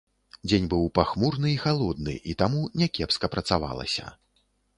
Дзень быў пахмуры і халодны, і таму някепска працавалася.